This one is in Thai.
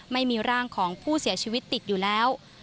ไม่มีร่างของผู้เสียชีวิตติดอยู่แล้ว